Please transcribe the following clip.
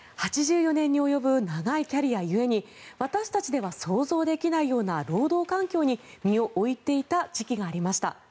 ８４年に及ぶ長いキャリア故に私たちでは想像できないような労働環境に身を置いていた時期がありました。